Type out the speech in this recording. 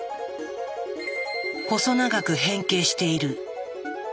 細長く変形している。